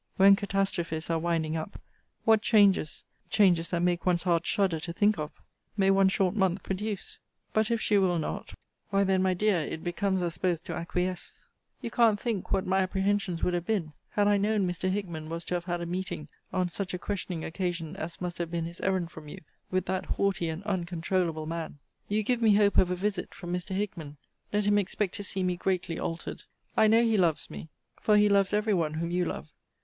When catastrophes are winding up, what changes (changes that make one's heart shudder to think of,) may one short month produce? But if she will not why then, my dear, it becomes us both to acquiesce. You can't think what my apprehensions would have been, had I known Mr. Hickman was to have had a meeting (on such a questioning occasion as must have been his errand from you) with that haughty and uncontroulable man. You give me hope of a visit from Mr. Hickman: let him expect to see me greatly altered. I know he loves me: for he loves every one whom you love.